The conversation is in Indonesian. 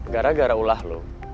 gara gara ulah lu